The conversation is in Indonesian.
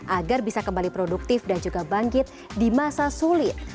agar bisa kembali produktif dan juga bangkit di masa sulit